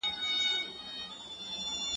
ليک د زده کوونکي له خوا لوستل کيږي؟!